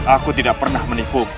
aku tidak pernah menipumu